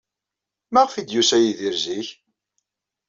Maɣef ay d-yusa Yidir zik?